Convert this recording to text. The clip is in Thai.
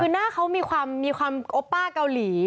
คือหน้าเขามีความมีความโอปป้าเกาหลี